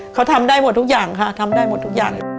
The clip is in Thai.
เขาทำได้หมดทุกอย่างค่ะทำได้หมดทุกอย่าง